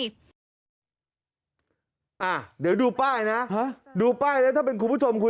เดี๋ยวดูป้ายนะดูป้ายแล้วถ้าเป็นคุณผู้ชมคุย